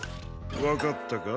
わかったか？